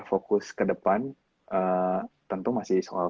fokus ke depan tentu masih soal konten kan